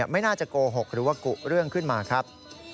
ไม่น่าจะโกหกหรือว่ากุเรื่องขึ้นมาครับ